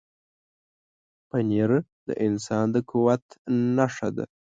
پنېر د انسان د قوت نښه ده.